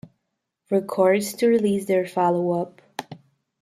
Records to release their follow-up.